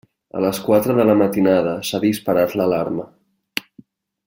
A les quatre de la matinada s'ha disparat l'alarma.